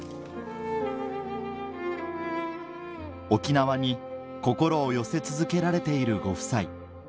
沖縄に心を寄せ続けられているご夫妻